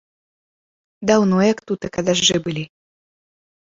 Даўно як тутака дажджы былі.